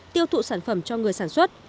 tiêu thụ sản phẩm cho người sản xuất